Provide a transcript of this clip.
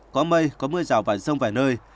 có mây có mưa rào và giông vài nơi